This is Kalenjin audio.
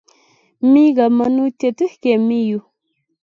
Mi kamanutiet kemi yu